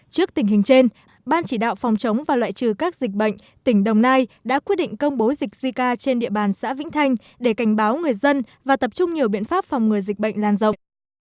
trước tình hình trên ban chỉ đạo phòng chống và loại trừ các dịch bệnh tỉnh đồng nai đã quyết định công bố dịch zika trên địa bàn xã vĩnh thanh để cảnh báo người dân và tập trung nhiều biện pháp phòng ngừa dịch bệnh lan rộng